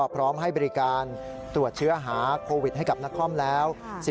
พร้อมให้บริการตรวจเชื้อหาโควิดให้กับนครแล้ว